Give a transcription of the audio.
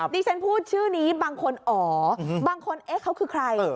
ดิฉันพูดชื่อนี้บางคนอ๋อบางคนเอ๊ะเขาคือใคร